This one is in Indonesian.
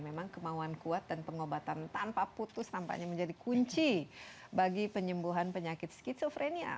memang kemauan kuat dan pengobatan tanpa putus tampaknya menjadi kunci bagi penyembuhan penyakit skizofrenia